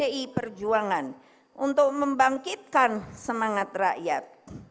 energi bagi pdi perjuangan untuk membangkitkan semangat rakyat